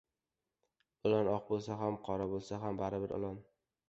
• Ilon oq bo‘lsa ham, qora bo‘lsa ham baribir ilon.